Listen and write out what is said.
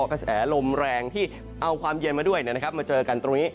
กระแสลมแรงที่เอาความเย็นมาด้วยมาเจอกันตรงนี้